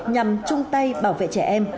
nhằm chung tay bảo vệ trẻ em